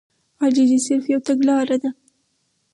عاجزي صرف يوه تګلاره ده.